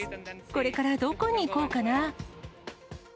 これからどこに行こうかな。